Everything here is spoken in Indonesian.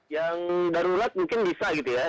yang darurat mungkin bisa gitu ya